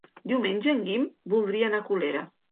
Diumenge en Guim voldria anar a Colera.